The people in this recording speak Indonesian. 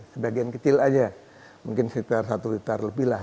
sebagian kecil aja mungkin sekitar satu liter lebih lah